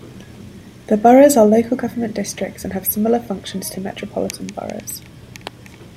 The boroughs are local government districts and have similar functions to metropolitan boroughs.